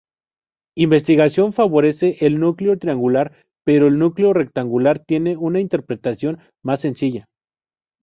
Investigación favorece el núcleo triangular pero el núcleo rectangular tiene una interpretación más sencilla.